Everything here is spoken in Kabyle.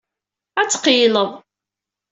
Ad tqeyyleḍ.